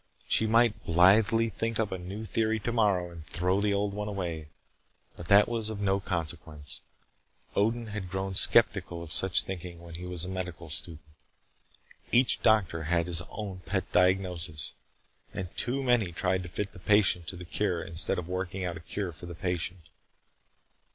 She might blithely think up a new theory tomorrow and throw the old one away, but that was of no consequence. Odin had grown skeptical of such thinking when he was a medical student. Each doctor had his own pet diagnosis and too many tried to fit the patient to the cure instead of working out a cure for the patient.